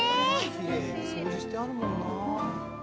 「きれいに掃除してあるもんな」